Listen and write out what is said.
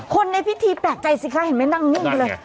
คนในพิธีแปลกใจสิคะแม่น้ำก็ลุ่มนี่เลย